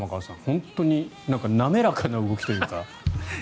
本当に滑らかな動きというか。